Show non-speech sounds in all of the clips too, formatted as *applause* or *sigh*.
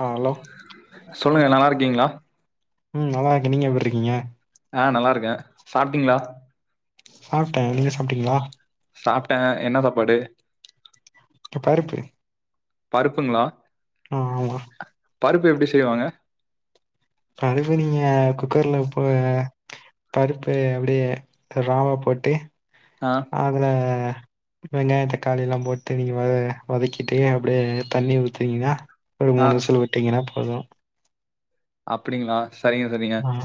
Hello சொல்லுங்க நல்லா இருக்கீங்களா ம் நல்லா இருக்கேன் நீங்க எப்படி இருக்கீங்க ஆ நல்லா இருக்கேன் சாப்ட்டீங்களா சாப்ட்டேன் நீங்க சாப்ட்டீங்களா சாப்ட்டேன் என்ன சாப்பாடு பருப்பு பருப்புங்ளா ஆ ஆமா பருப்பு எப்டி செய்வாங்க பருப்பு நீங்க குக்கர்ல ப்போ பருப்பு அப்டியே ராவா போட்டு ஆ ஆதுல வெங்காய தக்காளிலாம் போட்டு நீங்க வத வதக்கிட்டு அப்டியே தண்ணி ஊத்தினீங்னா ஒரு ஆ மூணு விசில் விட்டீங்னா போதும் அப்டிங்ளா சரிங்க சரிங்க ஆ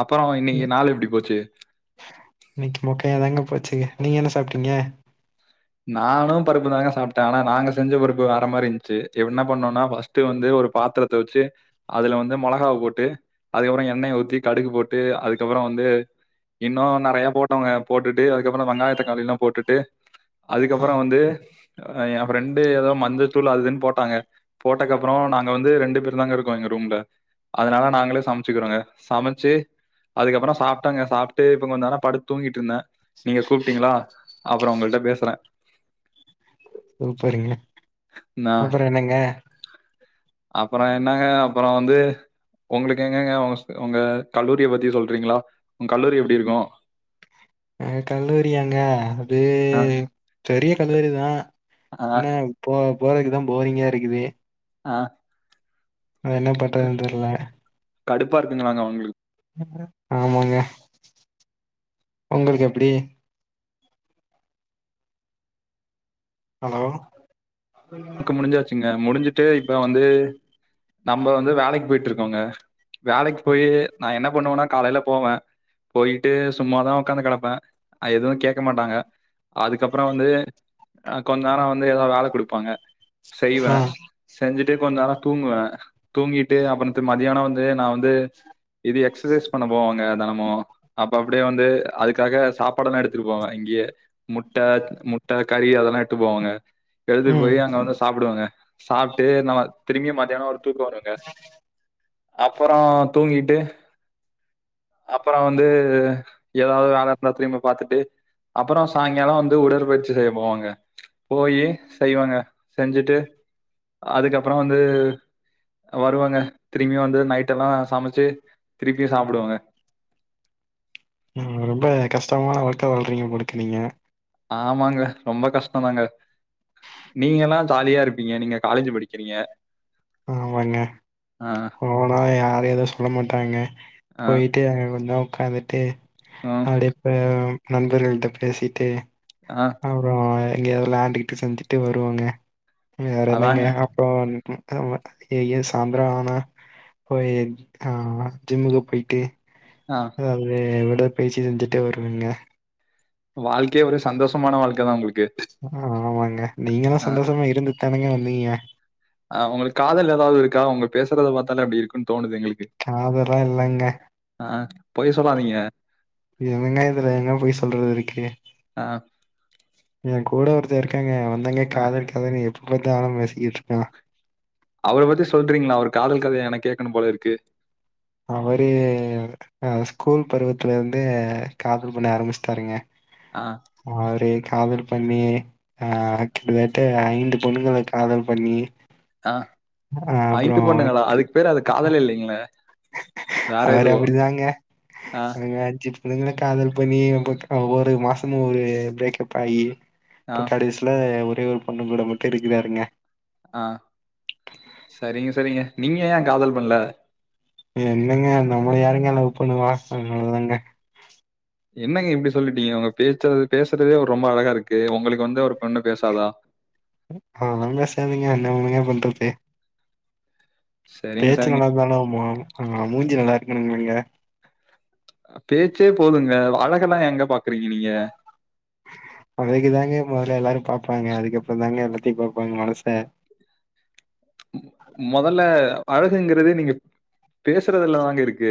அப்பறோ இன்னிக்கி நாளு எப்டி போச்சி இன்னிக்கி மொக்கையா தாங்க போச்சி நீங்க என்ன சாப்டீங்க நானு பருப்பு தாங்க சாப்டே நாங்க செஞ்ச பருப்பு வேற மாரிஞ்சி என்ன பண்ணோம்னா ஃபஸ்ட் வந்து ஒரு பாத்திரத்த வெச்சி வந்து மெளகாவ போட்டு அதுகப்றோ எண்ணய ஊத்தி கடுகு போட்டு அதுகப்றம் வந்து இன்னும நெறய போட்டோங்க போட்டுட்டு அதுக்கப்றம் வெங்காய தக்காளில்லா போட்டுட்டு அதுக்கப்றம் வந்து என் ஃப்ரெண்டு ஏதோ மஞ்சத்தூள் அது இதுன்னு போட்டாங்க போட்டக்கப்றம் நாங்க நா வந்து ரெண்டு பேரு தாங்க இருக்கோ எங்க ரூம்ல அதனால நாங்களே சமச்சுக்கிறோங்க சமச்சி அதுக்கப்றம் சாப்ட்டங்க சாப்ட்டு இப்ப கொஞ்ச நேரோ படுத் தூங்கிட்ருந்தேன் நீங்க கூப்ட்டீங்களா அப்றம் உங்கள்ட்ட பேசுறேன் சூப்பருங்க அப்புறோ என்னங்க அப்புறோ என்னங்க அப்புறோ வந்து உங்களுக்கு எங்கங்க உங்க கல்லூரிய பத்தி சொல்றீங்ளா அ கல்லூரியாங்க அது அ, பெரிய கல்லூரிங்க அ, இன்ன இப்போ போறக்குதா போரிங்கா இருக்குது ஆ அதா என்ன பண்றதுன் தெர்ல கடுப்பா இருக்குங்ளாங்க அவுங்ளுக் ஆமாங்க உங்குளுக் எப்டி ஹலோ க்கு முடிஞ்சாச்சுங்க முடிஞ்சுட்டு இப்ப வந்து நம்ப வந்து வேலைக் போயிட்ருக்கங்க வேலைக் போயி நா என்ன பண்ணுவனா காலையில போவ போயிட்டு சும்மாதா உக்காந்து கெடப்ப அங்க எதுவு கேக்க மாட்டாங்க அதுக்கப்பறோ வந்து கொஞ்நேரோ வந்து எதா வேல குடுப்பாங்க செய்வ ஆ செஞ்சுட்டு கொஞ்ச நேரம் தூங்குவ தூங்கிட்டு அப்புறத்து மதியானம் வந்து நா வந்து இது எக்ஸசைஸ் பண்ண போவாங்க தெனமு அப்ப அப்டியே வந்து அதுக்காக சாப்பாடெல்லா எடுத்துட்டு போவே இங்கியே முட்டக் முட்ட கறி அதெல்லா எட்டு போவாங்க வெஜிடபிள் ம் ரெடி ஆனதும் சாப்டுவங்க சாப்ட்டு நம்ம திரும்பி மதியான ஒரு தூக்க வருங்க அப்பறோ தூங்கிட்டு அப்பறோ வந்து எதாவ்து வேல இருந்தா திரும்பி பாத்துட்டு அப்பறோ சாய்ங்கால வந்து உடற்பயிற்சி செய்ய போவாங்க போயி செய்வங்க செஞ்சுட்டு அதுக்கப்றோ வந்து வருவங்க திரும்பியு வந்து நைட்டெல்லா சமச்சு திருப்பியு சாப்டுவங்க ம் ரொம்ப கஷ்டமான வாழ்க்க வாழ்றீங்க போலக்கு நீங்க ஆமாங்க ரொம்ப கஷ்டோ தாங்க நீங்கல்லா ஜாலியா இருப்பீங்க நீங்க காலேஜ்ஜி படிக்கிறீங்க ஆமாங்க ஆ போனா யாரு எதுவு சொல்ல மாட்டாங்க ஆ போயி ட்டு அங்க கொஞ்ச நேர் உக்காந்துட்டு ம் அப்டியே கொ நண்பர்களிட்ட பேசிட்டு ஆ அப்றோ எங்கயாவது விளாண்டுட்டு செஞ்சுட்டு வருவங்க வேற என்னங்க அதாங்க இப்ப ம் ம் ஏ ஏ சாய்ந்த்ரோ ஆனா போயி ஆ ஜிம்முக்கா போய்ட்டு அ வந்து எங்கூட பேசி இருந்துட்டு வருவேங்க வாழ்க்கையே ஒரு சந்தோஷமான வாழ்க்க தா உங்குளுக் ஆமாங்க நீங்கள்லா சந்தோஷமா இருந்து தானுங்க வந்தீங்க ஆ உங்களுக் காதல் எதாவ்து இருக்கா அவங்க பேசறத பாத்தாலே அப்டி இருக்கு டின் தோணுது எங்குளுக்கு காதெல்லா இல்லங்க அ ஆ பொய் சொல்லாதீங்க என்னங்க இதுல ஏங்க பொய் சொல்றது இருக்கு ஆ என் கூட ஒருத்த இருக்காங்க அவன்ந்தாங்க ஆ காதல் கதவி எப்ப பாத்தாலும் பேசிக்கிட்ருப்பா அவர பத்தி சொல்றீங்ளா அவர் காதல் கதைய எனக்கு கேக்கணும் போல இருக்கு அவரு அ ஸ்கூல் பருவத்துலந்து காதல் பண்ண ஆரம்பிஷ்டாருங்க அ அவுரு காதல் பண்ணி ஆ கிட்டதட்ட ஐந்து பொண்ணுகள காதல் பண்ணி ஆ அ அப்றோ இல்லைங்கள அவர் அப்படிதாங்க ஆ, அவங்களாச்சி அதுங்களு காதல் பண்ணி ஒவ்வொரு மாசமு ஒரு பிரேக்கப் ஆயி ஆ, இப்ப கடைசி ல ஒரே ஒரு பொண்ணு கூட மட்டு இருக்கிறாருங்க ஆ சரிங்க சரிங்க நீங்க ஏ காதல் பண்ல என்னங்க நம்மள யாருங்க லவ் பண்ணுவா அதுனால தாங்க என்னங்க இப்படி சொல்லிட்டிங்க உங்க பேச்ச பேசுறதே ஒரு ரொம்ப அழகா இருக்கு உங்களுக்கு வந்து ஒரு பொண்ணு பேசாதா அதெல்லா பேசாதுங்க என்னதுங்க பண்றது சரிங்க, பேச்சு சரிங்க. நல்லாருந்தாலு மூ ஆ மூஞ்சி நல்லாருக்கணுமல்லங்க பேச்சே போதுங்க அழகெல்லா ஏங்க பாக்கறிங்க நீங்க அழகு தாங்க மொதல்ல எல்லாரு பாப்பாங்க அதுக்கப்பறந்தாங்க எல்லாத்தையு பாப்பாங்க மனச மொதல்ல அழகுங்கறதே நீங்க பேசறதுல்ல தாங்க இருக்கு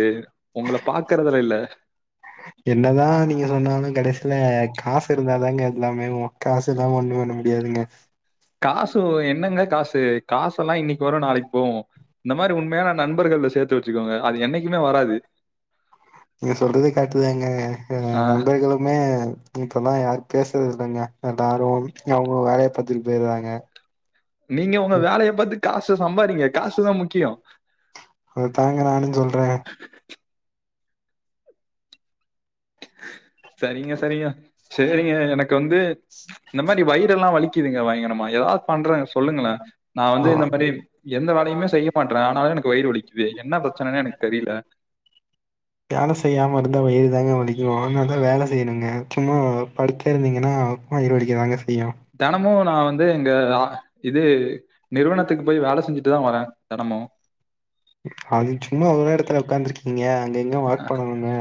உங்கள பாக்கறதுல இல்ல என்னதா நீங்க சொன்னாலு கடைசில காசு இருந்தாதாங்க எல்லாமே காசு எல்லாம ஒண்ணு பண்ண முடியாதுங்க காசு என்னங்க காசு காசெல்லா இன்னைக்கு வரு நாளைக்கு போகு இந்த மாரி உண்மையான நண்பர்கள சேத்து வெச்சுக்கோங்க அது என்னைக்குமே வராது நீங்க சொல்றது கரெக்ட்டுதாங்க ஆ நண்பர்களுமே இப்பல்லா யாரு பேசறது இல்லங்க எல்லாரு அவங்கவங் வேலய பாத்துட்டு போயர்றாங்க நீங்க உங்க வேலைய பாத்து காசு சம்பாரிங்க காசுதா முக்கிய அதாங்க நானுஞ் சொல்றே சரிங்க சரிங்க சேரிங்க எனக்கு வந்து இந்த மாரி வயிறெல்லா வலிக்குதுங்க பயங்கரமா எதாவது பண்ற சொல்லுங்களே நா வந்து இந்த மாரி எந்த வேலையுமே செய்ய மாட்ற ஆனாலு எனக்கு வயிறு வலிக்குது என்ன பிரச்சனைனு எனக்கு தெரில வேலை செய்யாம இருந்தா வயிறுதாங்க வலிக்கு அதனாலதா வேல செய்யணுங்க சும்மா படுத்தே இருந்திங்கன்னா வயிறு வலிக்கதாங்க செய்யு தெனமு நா வந்து எங்க இது நிறுவனத்துக்கு போய் வேல செஞ்சுட்டுதா வர்ற தெனமு அது சும்மா ஒரே எடத்துல உக்காந்துருக்கிங்க அங்க இங்க வாக் பண்ணணுங்க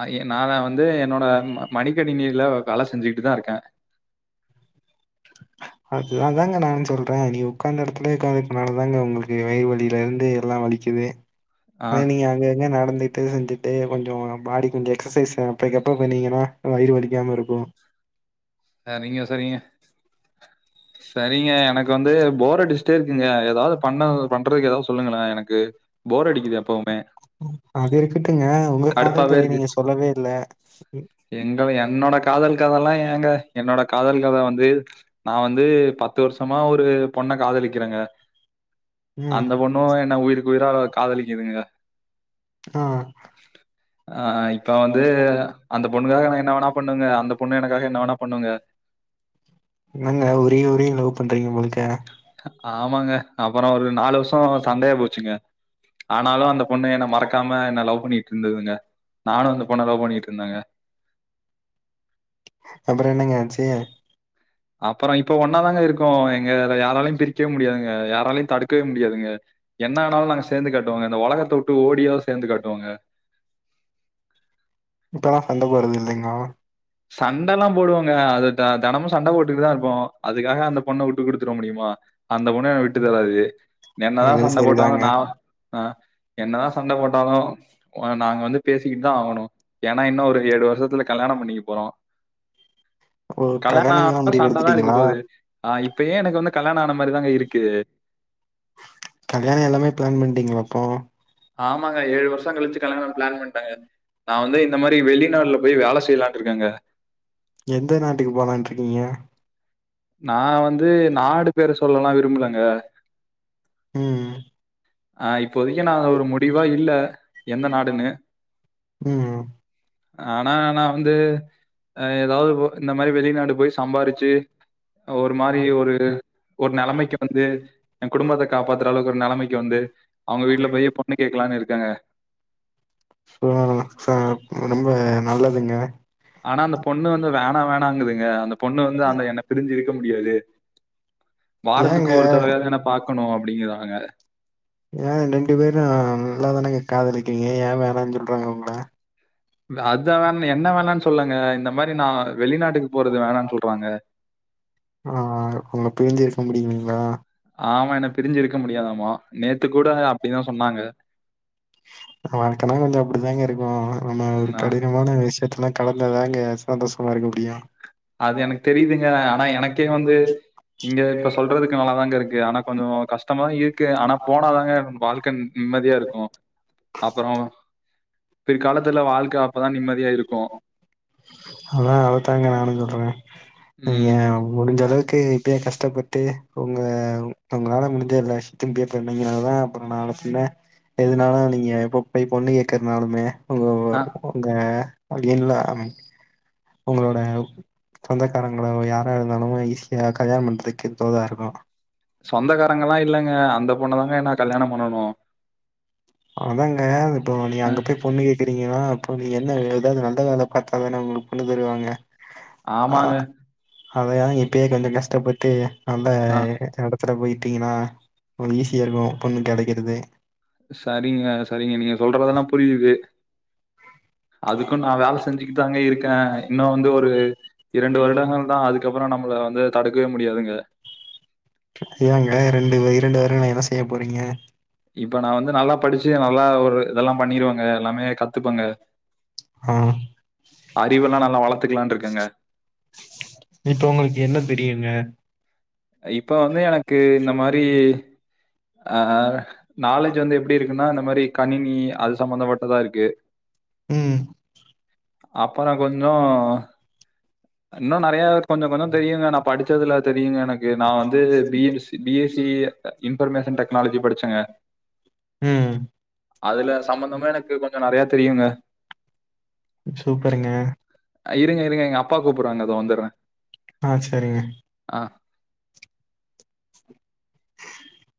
ஆ எ நா வந்து என்னோட மடிக்கணினில வேல செஞ்சுட்டுதா இருக்கே அது அதாங்க நானு சொல்றே நீ உக்காந்த எடத்துலயே உக்காந்துக்குனால தாங்க உங்களுக்கு வயிறு வலியில இருந்து எல்லா வலி க்குது ஆ அதா நீங்க அங்க இங்க நடந்து ட்டு செஞ்சுட்டு கொஞ்ச பாடி கொஞ்ச எக்சசைஸ் அப்பைக்கப்ப பண்ணிங்கன்னா வயிறு வலிக்காம இருக்கு சரிங்க சரிங்க சரிங்க எனக் கு எனக்கு வந்து போரடிச்டே இருக்குங்க எதாவது பண்ண பண்றதுக்கு எதாவது சொல்லுங்களே எனக்கு போர் அடிக்குது எப்பவுமே. அதிருக்கட்டுங்க உங்க காதல் கடுப்பாவே கதைய நீங்க சொல்லவே இல்ல எங்கத என்னோட காதல் கதலா ஏங்க என்னோட காதல் கத வந்து நா வந்து பத்து வருஷமா ஒரு பொண்ண காதலிக்கிறங்க ம் அந்த பொண்ணு என்ன உயிருக்கு உயிரா காதலிக்கிதுங்க ஆ ஆ இப்ப வந்து அந்த பொண்ணுக்காக நா என்ன வேணா பண்ணுங்க அந்த பொண்ணு எனக்காக என்ன வேணா பண்ணுங்க என்னங்க உருகி உருகி லவ் பண்றீங்க போல இருக்க ஆமாங்க அப்பறோ ஒரு நாலு வருஷோ சண்டையா போச்சுங்க ஆனாலு அந்த பொண்ணு என்ன மறக்காம என்ன லவ் பண்ணிட்டு இருந்துங்க நானு அந்த பொண்ண லவ் பண்ணிட்டு இருந்தங்க அப்பற என்னங்க ஆச்சு அப்பறோ இப்ப ஒன்னா தாங்க இருக்கோ எங்கல யாராலயு பிரிக்கவே முடியாதுங்க யாராலயு தடுக்கவே முடியாதுங்க என்ன ஆனாலு நாங்க சேந்து காட்டுவோங்க இந்த உலகத்த உட்டு ஓடியோ சேர்ந்து காட்டுவோங்க இப்பல்லா சண்ட போடுறது இல்லிங்களா சண்டல்லா போடுவோங்க அது தெனமு சண்ட போட்டுட்டுதா இருப்போ அதுக்காக அந்த பொண்ண வுட்டு குடுத்துட முடியுமா அந்த பொண்ணு என்ன விட்டு தராது என்னதா அது சண்ட போட்டாலு சரிதாங்க நா ஆ என்னதா சண்ட போட்டாலு ஒன்னு நாங்க வந்து பேசிக்கிட்டு தா ஆகணு ஏன்னா இன்னோ ஒரு ஏழு வருஷத்துல கல்யாண பண்ணிக்க போறோ ஓ கல்யாணோ கல்யாணம்லா ஆனா முடிவு சண்ட தா இருக்க எடுத்துட்டீங்களா போது ஆ இப்பயே எனக்கு வந்து கல்யாண ஆன மாரிதாங்க இருக்கு கல்யாண எல்லாமே பிளான் பண்ணிட்டீங்களா அப்போ ஆமாங்க ஏழு வருஷோ கழிச்சி கல்யாண பிளான் பண்ட்டங்க நா வந்து இந்த மாரி வெளிநாடுல போய் வேல செய்லான்ட்டு இருக்கங்க எந்த நாட்டுக்கு போலான் இருக்கீங்க நா வந்து நாடு பேர சொல்லலா விரும்பலங்க ம் ஆ இப்போதிக்கு நா ஒரு முடிவா இல்ல எந்த நாடுன்னு ம் ஆனா நா வந்து அ ஏதாவது இந்த மாரி வெளிநாடு போய் சம்பாரிச்சு ஒரு மாரி ஒரு ஒரு நெலமைக்கு வந்து எய குடும்பத்த காப்பாத்துற அளவுக்கு ஒரு நெலமைக்கு வந்து அவுங்க வீட்டுல போய் பொண்ணு கேக்கலான்னு இருக்கங்க *unintelligible* ரொம்ப நல்லதுங்க ஆனா அந்த பொண்ணு வந்து வேணா வேணாங்குதுங்க அந்த பொண்ணு வந்து அந்த என்ன பிரிஞ்சு இருக்க முடியாது வாரத்துக்கு ஏங்க ஒரு தடவையாவுது என்ன பாக்கணு அப்டிங்குறாங்க எய ரெண்டு பேரு நல்லாதானங்க காதலிக்கிறீங்க எய வேணானு சொல்றாங்க உங்கள அத வேணா என்ன வேணானு சொல்லங்க இந்த மாரி நா வெளிநாட்டுக்கு போறது வேணானு சொல்றாங்க ஆ உங்கள பிரி்ஞ்சு இருக்க முடில்லிங்களா ஆமா என்ன பிரிஞ்சு இருக்க முடியாதாமா நேத்து கூட அப்டிதா சொன்னாங்க வாழ்க்கனா கொஞ்ச அப்டித்தாங்க இருக்கு நம்ப ஒரு நா கடின மான விஷயத்தலா கலந்தாங்க சந்தோஷமா இருக்க முடியு அது எனக்கு தெரிதுங்க ஆனா எனக்கே வந்து இங்க இப்ப சொல்றதுக்கு நல்லாதாங்க இருக்கு ஆனா கொஞ்ச கஷ்டமா இருக்கு ஆனா போனாதாங்க வாழ்க்க நிம்மதியா இருக்கு அப்பறோ பிற்காலத்துல வாழ்க அப்பதா நிம்மதியா இருக்கு அதா அதத்தாங்க நானு சொல்ற நீ ம். எய முடிஞ்ச அளவுக்கு இப்பயே கஷ்டப்பட்டு உங்க உங்களால முடிஞ்ச எல்லா *unintelligible* தா அப்பறோ நாள பிண்ண எதுனாலு நீங்க எப்ப போய் பொண்ணு கேக்குறதுனாலுமே உங்க அ உங்க அவிங்கல்லா உங்களோட சொந்தக்காரங்கலோ யாரா இருந்தாலு ஈஸியா கல்யாணம் பண்றதுக்கு தோதா இருக்கு சொந்தக்காரங்கல்லா இல்லங்க அந்த பொண்ண தாங்க நா கல்யாண பண்ணனு அதாங்க இப்போ நீங்க அங்க போய் பொண்ணு கேக்கிறீங்கன்னா அப்போ நீங்க என்ன வேல ஏதாது நல்ல வேல பாத்தா தான உங்களுக்கு பொண்ணு தருவாங்க ஆ ஆமாங்க. அதாயா இப்பயே கொஞ்ச கஷ்டப்பட்டு நல்ல அ இடத் ப்பற போயிட்டிங்கனா உங்ளுக்கு ஈஸியாக இருக்கு பொண்ணு கெடைக்கிறது சரிங்க சரிங்க நீங்க சொல்றததல்லா புரியுது அதுக்கு நா வேல செஞ்சுக்கிட்டு தாங்க இருக்க இன்னோ வந்து ஒரு இரண்டு வருடங்கள் தா அதுக்கப்புறோ நம்மள வந்து தடுக்கவே முடியாதுங்க ஏங்க ரெண்டு இரண்டு வருடங்கள்ள என்ன செய்ய போறீங்க இப்ப நா வந்து நல்லா படிச்சு நல்லா ஒரு இதெல்லா பண்ணிருவங்க எல்லாமே கத்துப்பங்க ஆ அறிவில்லா நல்லா வளர்த்துக்கலான்றுகங்க இப்ப உங்களுக்கு என்ன தெரியுங்க இப்போ வந்து எனக்கு இந்த மாரி அ நாலேஜ் வந்து எப்டி இருக்குன்னா இந்த மாரி கணினி அது சம்மந்தப்பட்டதா இருக்கு ம் அப்புறோ கொஞ்சோ இன்னு நெறய கொஞ்சோ கொஞ்சோ தெரியுங்க நா படிச் சதுல தெரியுங்க எனக்கு நா வந்து B A B C B S C information technology படிச்சேங்க ம் அதுல சம்மந்தமே எனக்கு கொஞ்சோ நறையா தெரியுங்க சூப்பருங்க இருங்க இருங்க எங்க அப்பா கூப்பறாங்க இதோ வந்துர்ர ஆ செரிங்க ஆ